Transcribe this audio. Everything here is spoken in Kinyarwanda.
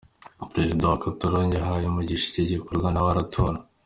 Perezida wa Catalogne yahaye umugisha iki gikorwa nawe aratora.